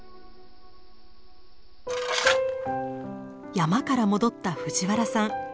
山から戻った藤原さん。